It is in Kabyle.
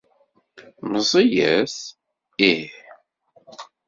Meẓẓiyet? Ih.